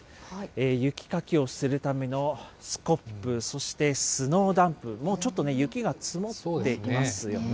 雪かきをするためのスコップ、そしてスノーダンプ、もうちょっとね、雪が積もっていますよね。